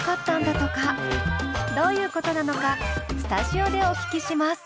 どういうことなのかスタジオでお聞きします。